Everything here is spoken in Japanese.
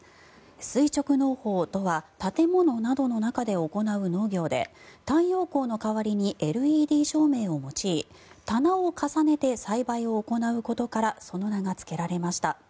垂直農法とは建物などの中で行う農業で太陽光の代わりにＬＥＤ照明を用い棚を重ねて栽培を行うことからその名がつけられました。